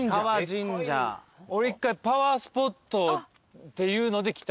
俺一回パワースポットっていうので来た。